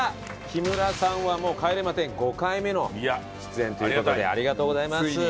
木村さんはもう『帰れま１０』５回目の出演という事でありがとうございます。